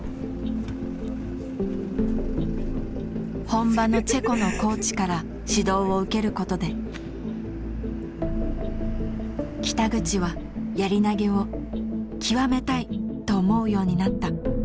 本場のチェコのコーチから指導を受けることで北口はやり投げを極めたいと思うようになった。